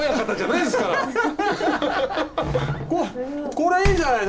これいいじゃない。